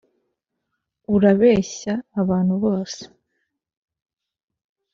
urabeshya abantu bose.